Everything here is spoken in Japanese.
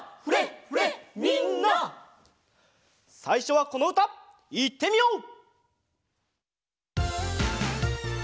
さいしょはこのうたいってみよう！